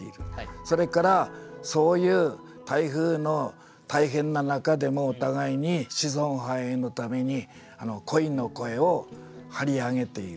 それからそういう台風の大変な中でもお互いに子孫繁栄のために恋の声を張り上げている。